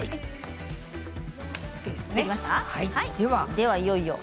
では、いよいよ。